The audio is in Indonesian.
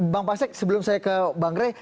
bang pak sek sebelum saya ke bang gray